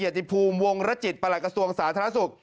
ติภูมิวงรจิตประหลักกระทรวงสาธารณสุข